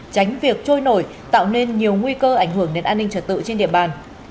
tránh việc trôi nổi tạo nên nhiều nguy cơ ảnh hưởng đến an ninh trật tự trên địa bàn